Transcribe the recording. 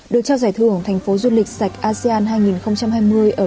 được trao giải thưởng tp du lịch sạch asean hai nghìn hai mươi ở brunei